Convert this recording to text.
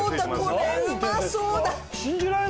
これうまそうだ！